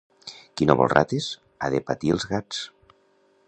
Qui no vol rates, ha de patir els gats.